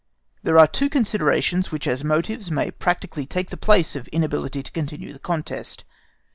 There are two considerations which as motives may practically take the place of inability to continue the contest.